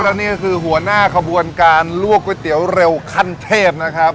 แล้วนี่ก็คือหัวหน้าขบวนการลวกก๋วยเตี๋ยวเร็วขั้นเทพนะครับ